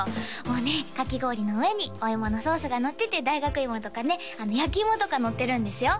もうねかき氷の上にお芋のソースがのってて大学芋とかね焼き芋とかのってるんですよ